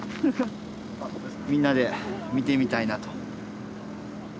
みんなで見てみたいなと。